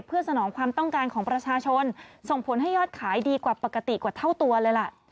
เพื่อสนองความต้องการของประชาชนส่งผลให้ยอดขายดีกว่าปกติกว่าเท่าตัวเลยล่ะ